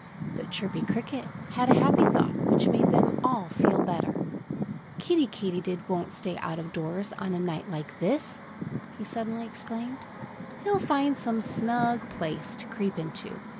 But Chirpy Cricket had a happy thought, which made them all feel better. "Kiddie Katydid won't stay out of doors on a night like this!" he suddenly exclaimed. "He'll find some snug place to creep into.